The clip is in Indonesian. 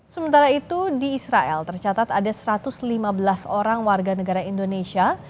sementara itu di israel tercatat ada satu ratus lima belas orang warga negara indonesia